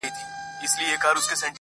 دا خو رښتيا خبره~